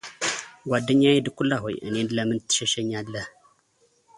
ጓደኛዬ ድኩላ ሆይ፣ እኔን ለምን ትሸሸኛለህ?